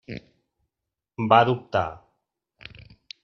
Va dubtar.